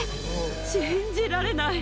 信じられない！